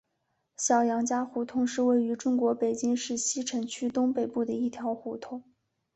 小杨家胡同是位于中国北京市西城区东北部的一条胡同。